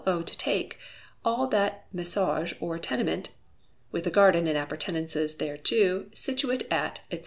O. to take, all that messuage or tenement (with the garden and appurtenances thereto) situate at, &c.